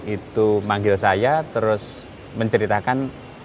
itu manggil saya terus menceritakan